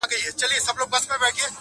چې مونږ ته پاتې شوې د پېغوره ده ټولنه۔